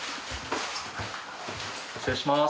失礼します。